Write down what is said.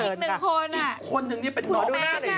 อีกหนึ่งคนนี่เป็นน้อง